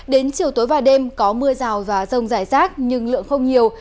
đến chiều tối và đêm có mưa rào và rông rải rác nhưng lượng không nhiều